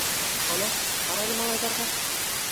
Ана, ҡарале малайҙарға.